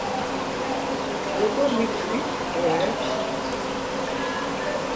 როგორ ვითვლით რკოებს?